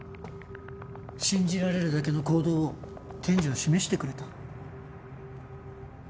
信じられるだけの行動を天智は示してくれた。